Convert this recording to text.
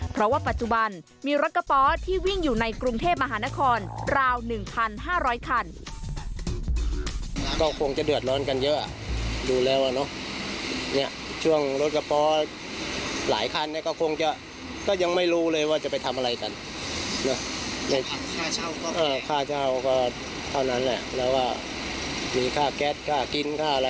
เพราะว่าปัจจุบันมีรถกระป๋อที่วิ่งอยู่ในกรุงเทพมหานครราว๑๕๐๐คัน